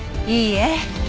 いいえ。